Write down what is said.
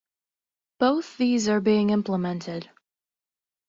Both these are being implemented.